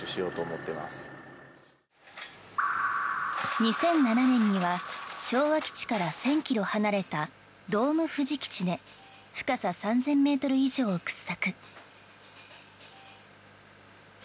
２００７年には昭和基地から１０００ｋｍ離れたドームふじ基地で深さ３０００ｍ以上を掘削。